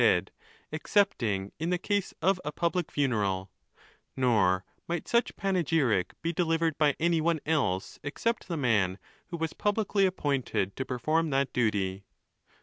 dead excepting in the case of a public funeral, nor might such panegyric be delivered by any one else except the man who was publicly appointed to perform that duty.